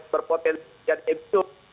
berpotensi jadi ebuk